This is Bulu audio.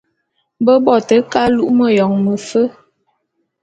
Be bo te ke alu'u meyone mefe.